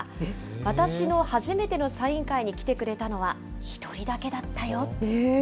私の初めてのサイン会に来てくれたのは１人だけだったよ。